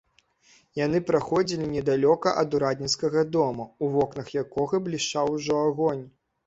Яны праходзілі недалёка ад урадніцкага дома, у вокнах якога блішчаў ужо агонь.